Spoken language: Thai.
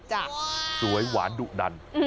สวยหวานดุดัน